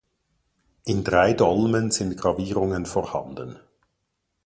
In drei Dolmen sind Gravierungen vorhanden.